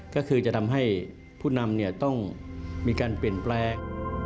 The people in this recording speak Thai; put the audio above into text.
ก็คือจะทำให้ผู้นำต้องมีการเปลี่ยนแปลง